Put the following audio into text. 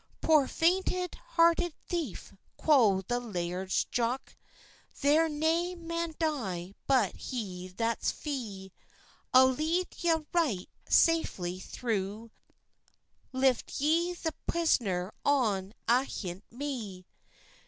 "Poor faint hearted thief!" quo the Laird's Jock, "There'll nae man die but he that's fie; I'll lead ye a' right safely through; Lift ye the prisner on ahint me."